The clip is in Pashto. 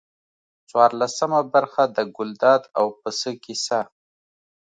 څوارلسمه برخه د ګلداد او پسه کیسه.